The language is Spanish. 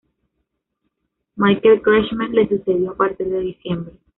Michael Kretschmer le sucedió a partir de diciembre.